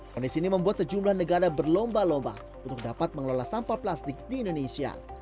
kondisi ini membuat sejumlah negara berlomba lomba untuk dapat mengelola sampah plastik di indonesia